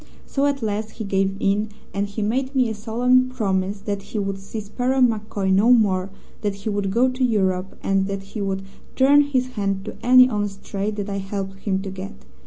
So at last he gave in, and he made me a solemn promise that he would see Sparrow MacCoy no more, that he would go to Europe, and that he would turn his hand to any honest trade that I helped him to get.